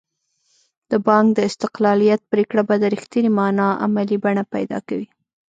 د بانک د استقلالیت پرېکړه به په رښتینې معنا عملي بڼه پیدا کوي.